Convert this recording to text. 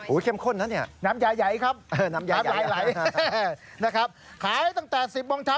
อุ๊ยเค็มข้นนะนี่น้ำใหญ่ครับหลายนะครับขายตั้งแต่๑๐โมงเช้า